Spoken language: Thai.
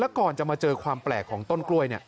ก่อนจะมาเจอความแปลกของต้นกล้วย